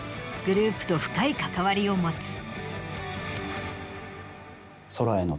グループと深い関わりを持つ。